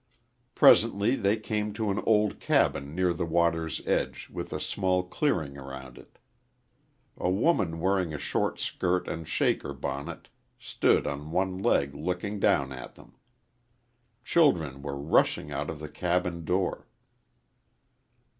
Presently they came to an old cabin near the water's edge with a small clearing around it. A woman wearing a short skirt and Shaker bonnet stood on one leg looking down at them. Children were rushing out of the cabin door.